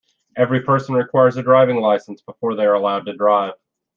Every person requires a driving license before they are allowed to drive.